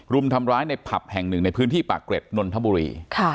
รุมทำร้ายในผับแห่งหนึ่งในพื้นที่ปากเกร็ดนนทบุรี